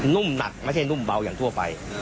ุ่มหนักไม่ใช่นุ่มเบาอย่างทั่วไป